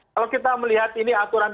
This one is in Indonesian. kalau kita melihat ini aturan